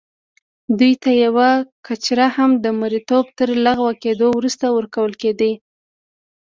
دوی ته یوه کچره هم د مریتوب تر لغوه کېدو وروسته ورکول کېده.